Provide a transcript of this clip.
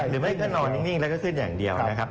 หรือไม่ก็นอนนิ่งแล้วก็ขึ้นอย่างเดียวนะครับ